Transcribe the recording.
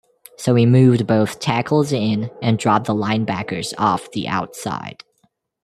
So we moved both tackles in and dropped the linebackers off the outside.